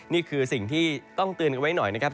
นี่คือสิ่งที่ต้องเตือนกันไว้หน่อยนะครับ